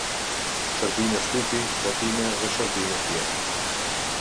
Shërbime shtypi, botime dhe shërbime tjera